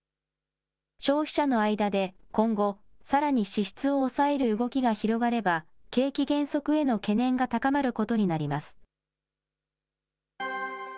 消費者の間で今後、さらに支出を抑える動きが広がれば、景気減速への懸念が高まることになります。